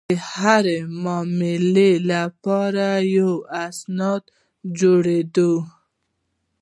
د هرې معاملې لپاره یو سند جوړېده.